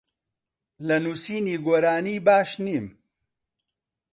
لە نووسینی گۆرانی باش نیم.